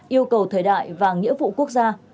yêu cầu thời đại và nghĩa vụ quốc gia